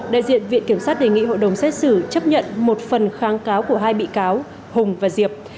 đại diện viện kiểm sát đề nghị hội đồng xét xử chấp nhận một phần kháng cáo của hai bị cáo hùng và diệp